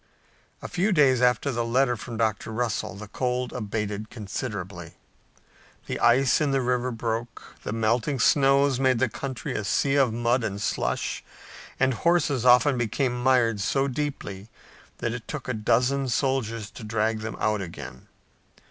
A few days after the letter from Dr. Russell the cold abated considerably. The ice in the river broke, the melting snows made the country a sea of mud and slush and horses often became mired so deeply that it took a dozen soldiers to drag them out again.